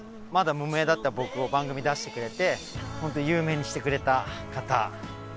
まだ無名だった僕を番組出してくれてホント有名にしてくれた方。